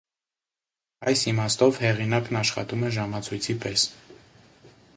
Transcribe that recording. Այս իմաստով հեղինակն աշխատում է ժամացույցի պես։